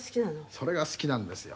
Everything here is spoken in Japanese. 「それが好きなんですよ」